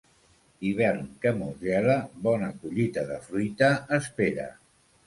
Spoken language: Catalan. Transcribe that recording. Hivern que molt gela, bona collita de fruita espera.